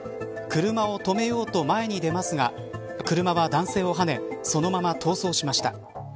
車を止めようと前に出ますが車は男性をはねそのまま逃走しました。